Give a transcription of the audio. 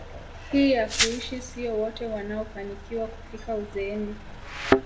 hii ya kuishi sio wote wanaofanikiwa kufika uzeeni